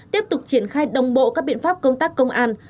tiếp tục triển khai đồng bộ các biện pháp công tác công an